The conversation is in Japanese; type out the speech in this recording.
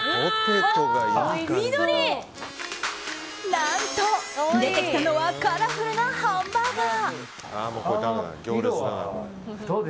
何と出てきたのはカラフルなハンバーガー。